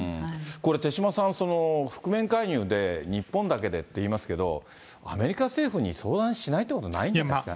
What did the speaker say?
これ、手嶋さん、覆面介入で日本だけでっていいますけど、アメリカ政府に相談しないっていうことはないんじゃないですか。